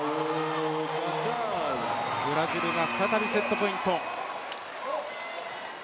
ブラジルが再びセットポイント。